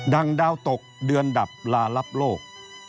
ดาวตกเดือนดับลารับโลก